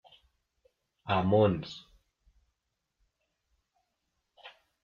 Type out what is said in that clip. A mons.